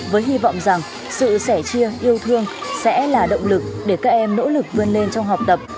với hy vọng rằng sự sẻ chia yêu thương sẽ là động lực để các em nỗ lực vươn lên trong học tập